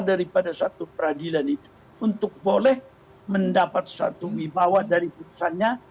daripada satu peradilan itu untuk boleh mendapat satu wibawa dari putusannya